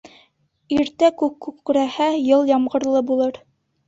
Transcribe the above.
Иртә күк күкрәһә, йыл ямғырлы булыр.